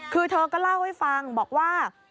คือเธอก็เล่าให้ฟังบอกว่า